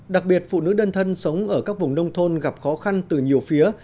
đặc biệt phụ nữ đơn thân sống ở các vùng nông thôn gặp khó khăn từ nhiều phía